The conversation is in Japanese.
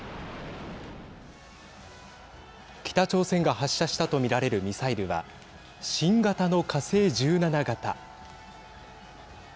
北朝鮮が発射したと見られるミサイルは新型の火星１７型。